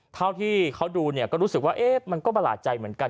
เท่าที่เขาดูเนี่ยก็รู้สึกว่ามันก็ประหลาดใจเหมือนกัน